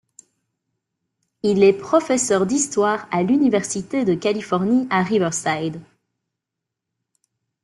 Il est professeur d'histoire à l'Université de Californie à Riverside.